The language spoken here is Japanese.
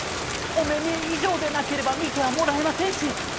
御目見以上でなければ診てはもらえませんし。